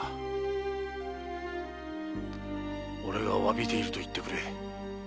俺が詫びていると言ってくれ。